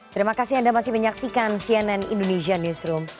terima kasih anda masih menyaksikan cnn indonesia newsroom